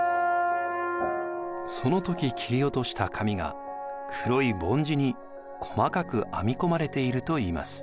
その時切り落とした髪が黒いぼん字に細かく編み込まれているといいます。